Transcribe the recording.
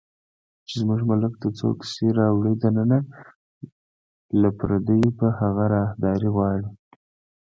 چې زموږ ملک ته څوک شی راوړي دننه، له پردیو به هغه راهداري غواړي